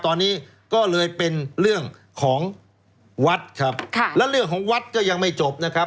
ตอนนี้ก็เลยเป็นเรื่องของวัดครับค่ะแล้วเรื่องของวัดก็ยังไม่จบนะครับ